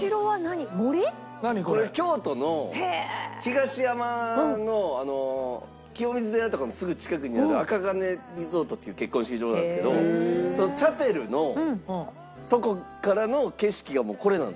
これ京都の東山の清水寺とかのすぐ近くにあるＡＫＡＧＡＮＥＲＥＳＯＲＴっていう結婚式場なんですけどそのチャペルのとこからの景色がもうこれなんですよ。